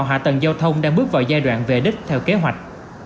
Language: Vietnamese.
các nhà thầu hạ tầng giao thông đang bước vào giai đoạn về đích theo kế hoạch